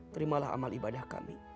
terimalah amal ibadah kami